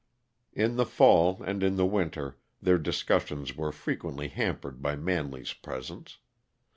In the fall, and in the winter, their discussions were frequently hampered by Manley's presence.